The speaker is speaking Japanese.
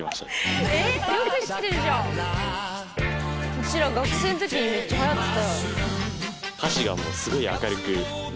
うちら学生の時にめっちゃはやってた。